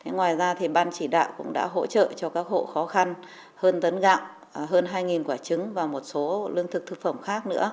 ngoài ra ban chỉ đạo cũng đã hỗ trợ cho các hộ khó khăn hơn tấn gạo hơn hai quả trứng và một số lương thực thực phẩm khác nữa